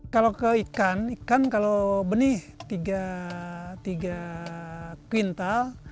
kalau ke ikan ikan kalau benih tiga kwintal